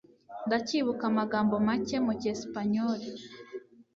Ndacyibuka amagambo make mu cyesipanyoli.